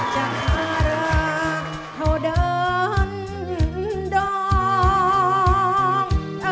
ประเวทสันดรสุริยวงเท้าเธอ